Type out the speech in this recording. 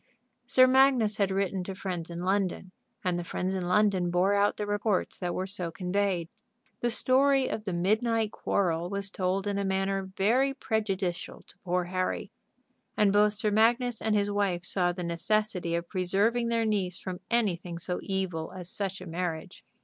Sir Magnus had written to friends in London, and the friends in London bore out the reports that were so conveyed. The story of the midnight quarrel was told in a manner very prejudicial to poor Harry, and both Sir Magnus and his wife saw the necessity of preserving their niece from anything so evil as such a marriage.